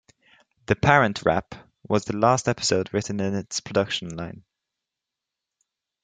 "The Parent Rap" was the last episode written in its production line.